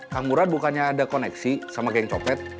kang urat bukannya ada koneksi sama geng copet